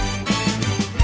kenapa tidak bisa